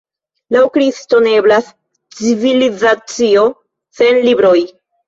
Laŭ Kristo, ne eblas civilizacio sen libroj.